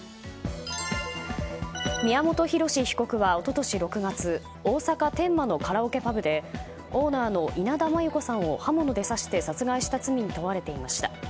宮本浩志被告は一昨年６月大阪・天満のカラオケパブでオーナーの稲田真優子さんを刃物で刺して殺害した罪に問われていました。